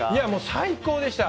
最高でした。